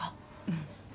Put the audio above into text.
うん。